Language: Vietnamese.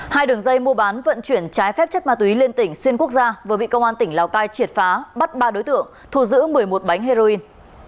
hai đường dây mua bán vận chuyển trái phép chất ma túy liên tỉnh xuyên quốc gia vừa bị công an tỉnh lào cai triệt phá bắt ba đối tượng thu giữ một mươi một bánh heroin